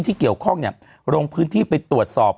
ที่เกี่ยวข้องลงพื้นที่ไปตรวจสอบ